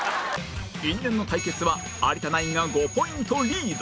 因縁の対決は有田ナインが５ポイントリード